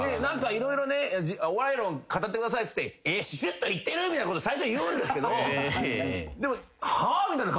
色々お笑い論語ってくださいっつってシュシュっといってる？みたいなこと最初に言うんですけどでも。